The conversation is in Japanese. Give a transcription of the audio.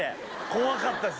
怖かったし。